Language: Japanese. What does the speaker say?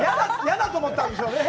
嫌だと思ったんでしょうね。